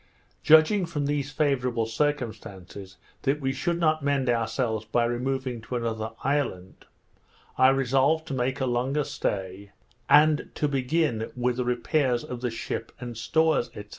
Judging from these favourable circumstances that we should not mend ourselves by removing to another island, I resolved to make a longer stay, and to begin with the repairs of the ship and stores, &c.